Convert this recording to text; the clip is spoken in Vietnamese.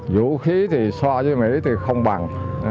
vũ khí thì so với mỹ thì không bằng